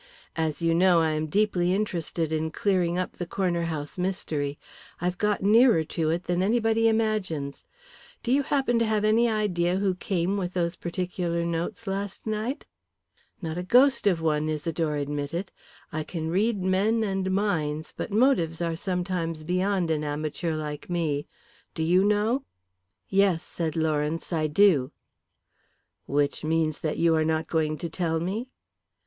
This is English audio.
As you know, I am deeply interested in clearing up the Corner House mystery. I've got nearer to it than anybody imagines. Do you happen to have any idea who came with those particular notes last night?" "Not the ghost of one," Isidore admitted. "I can read men and minds, but motives are sometimes beyond an amateur like me. Do you know?" "Yes," said Lawrence, "I do." "Which means that you are not going to tell me?"